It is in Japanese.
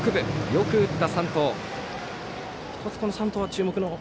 よく打った山藤。